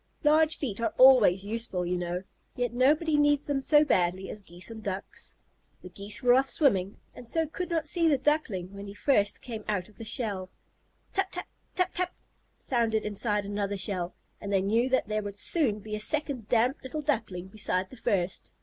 Large feet are always useful, you know, yet nobody needs them so badly as Geese and Ducks. The Geese were off swimming, and so could not see the Duckling when first he came out of the shell. "Tap tap, tap tap," sounded inside another shell, and they knew that there would soon be a second damp little Duckling beside the first.